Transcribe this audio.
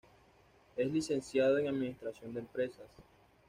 Es Licenciado en administración de empresas.